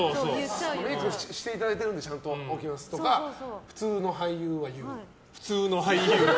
メイクしていただいてるんでちゃんと起きますとか誰だ、普通の俳優。